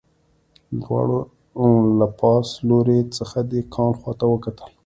دواړو له پاس لوري څخه د کان خواته وکتل